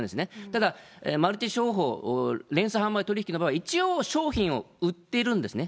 ただ、マルチ商法、連鎖販売取引の場合は、一応商品を売っているんですね。